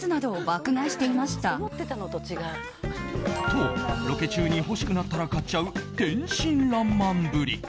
と、ロケ中に欲しくなったら買っちゃう天真らんまんぶり。